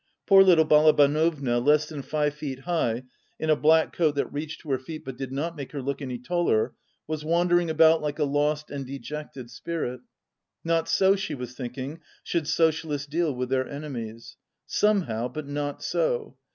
Poor little Balabanova, less than five feet high, in a black coat that reached to her feet but did not make her look any taller, was wandering about like a lost and dejected spirit. Not so, she was think ing, should socialists deal with their enemies. Somehow, but not so.